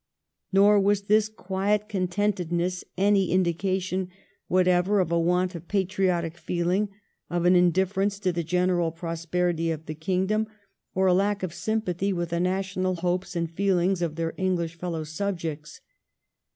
Nor was this quiet contentedness any indication whatever of a want of patriotic feeling, of an in difference to the general prosperity of the kingdom, or a lack of sympathy with the national hopes and feelings of their English fellow subjects.